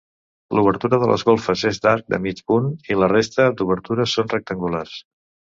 L’obertura de les golfes és d’arc de mig punt i la resta d’obertures són rectangulars.